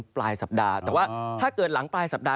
ปลายสัปดาห์แต่ว่าถ้าเกิดหลังปลายสัปดาห